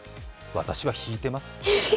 私はひいてます。